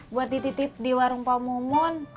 buat dititip di warung pamungun